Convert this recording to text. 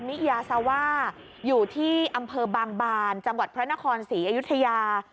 นิยาซาว่าอยู่ที่อำเภอบางบานจังหวัดพระนครศรีอยุธยา